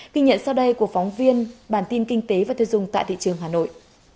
kinh nhận sau đây của phóng viên bản tin kinh tế và thuê dung tại thị trường hà nội